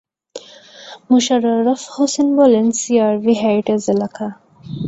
মোশাররফ হোসেন বলেন, CRB heritage এলাকা।